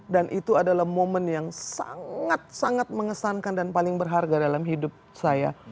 dan itu adalah momen yang sangat sangat mengesankan dan paling berharga dalam hidup saya